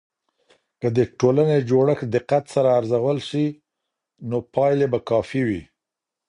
که د ټولنې جوړښت دقت سره ارزول سي، نو پایلې به کافي وي.